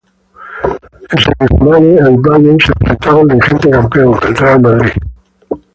En semifinales, el Bayern se enfrentaba al vigente campeón, el Real Madrid.